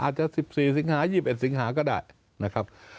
อาจจะ๑๔สิงหา๒๑สิงหาก็ได้นะครับ